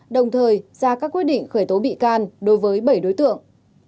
đồng thời ra các quyết định khởi tố bị can đối với bảy đối tượng